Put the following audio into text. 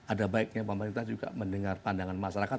ada baiknya pemerintah juga mendengar pandangan masyarakat